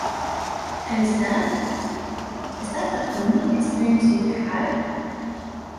And is that, is that the only experience you've had?